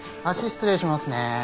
足失礼しますね。